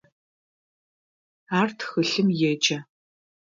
Ар тхылъым еджэ.